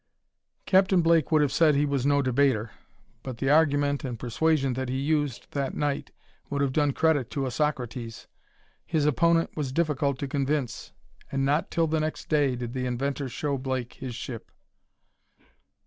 Captain Blake would have said he was no debater, but the argument and persuasion that he used that night would have done credit to a Socrates. His opponent was difficult to convince, and not till the next day did the inventor show Blake his ship.